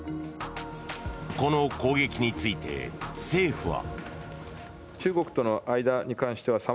この攻撃について、政府は。